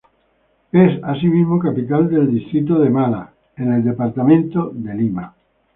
Es asimismo capital del distrito de Mala en el departamento de Lima.